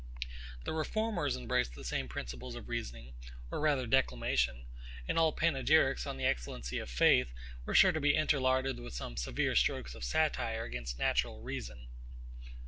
The Reformers embraced the same principles of reasoning, or rather declamation; and all panegyrics on the excellency of faith, were sure to be interlarded with some severe strokes of satire against natural reason.